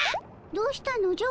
どうしたのじゃ？